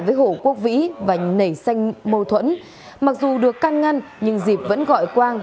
với hổ quốc vĩ và nảy xanh mâu thuẫn mặc dù được can ngăn nhưng dịp vẫn gọi quang